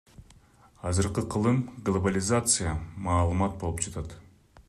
Азыркы кылым глобализация, маалымат болуп жатат.